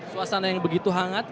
suasana yang begitu hangat